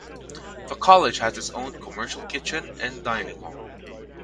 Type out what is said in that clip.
The College has its own commercial kitchen and dining hall.